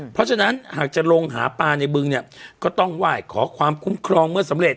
เพราะฉะนั้นหากจะลงหาปลาในบึงเนี่ยก็ต้องไหว้ขอความคุ้มครองเมื่อสำเร็จ